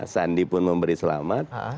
sandi pun memberi selamat